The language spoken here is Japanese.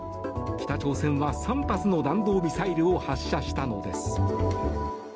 北朝鮮は３発の弾道ミサイルを発射したのです。